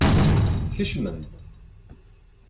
Kecmem-d!